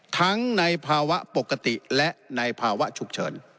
ทั้งในภาวะปกติและในภาวะฉุกเฉิน